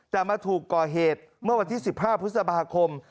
แต่มาถูกก่อเหตุเมื่อวันที่๑๕พฤษภาคม